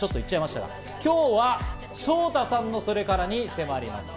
今日はＳＨＯＴＡさんのそれからに迫ります